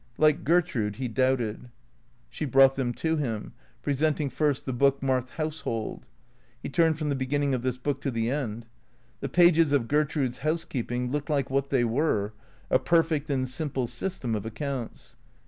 Like Gertrude he doubted. She brought them to him; presenting first the Book marked " Household." He turned from the beginning of this Book to the end. The pages of Gertrude's housekeeping looked like what they were, a perfect and simple system of accounts.